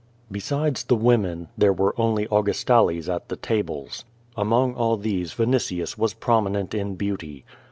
Besides the women, there were only Augustales at the tables. Among all these Vinitius was prominent in beauty.